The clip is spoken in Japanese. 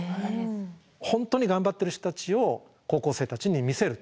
本当に頑張ってる人たちを高校生たちに見せると。